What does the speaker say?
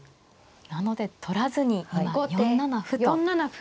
なので取らずに今４七歩と。